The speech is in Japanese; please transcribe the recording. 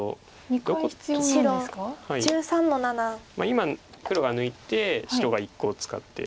今黒が抜いて白が１コウ使って。